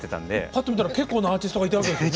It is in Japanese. ぱっと見たら結構なアーティストがいたわけですね。